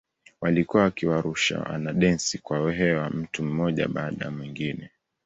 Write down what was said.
Walikuwa wakiwarusha wanadensi kwa hewa mtu mmoja baada ya mwingine.